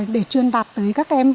để truyền đạt tới các em